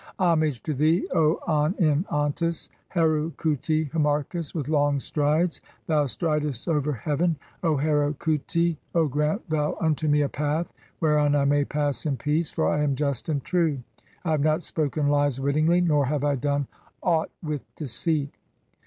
(2) "Homage to thee, O An in Antes, (?) Heru khuti (Harmachis), 'with long strides thou stridest over heaven, O Heru khuti. (10) 'O grant thou unto me a path whereon I may pass in peace, 'for I am just and true ; I have not spoken lies wittingly, nor 'have I done aught with deceit."